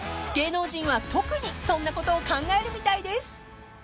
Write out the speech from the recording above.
［芸能人は特にそんなことを考えるみたいです］